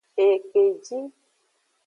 Ekpeji.